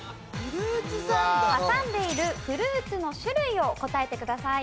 挟んでいるフルーツの種類を答えてください。